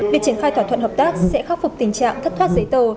việc triển khai thỏa thuận hợp tác sẽ khắc phục tình trạng thất thoát giấy tờ